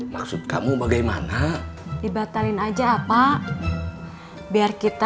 maksud kamu bagaimana dibatalin aja apa biar kita